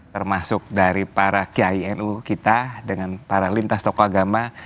termasuk dari para kiai nu kita dengan para lintas tokoh agama